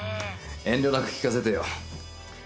遠慮なく聞かせてよ。